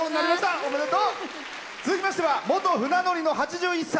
続きましては元船乗りの８１歳。